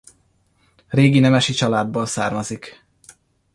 Régi nemesi családból származik.